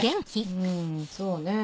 うんそうね。